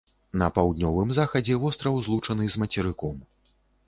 На паўднёвым захадзе востраў злучаны з мацерыком.